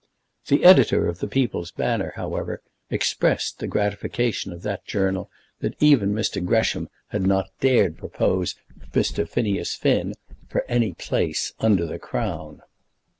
The editor of The People's Banner, however, expressed the gratification of that journal that even Mr. Gresham had not dared to propose Mr. Phineas Finn for any place under the Crown.